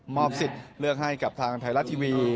สิทธิ์เลือกให้กับทางไทยรัฐทีวี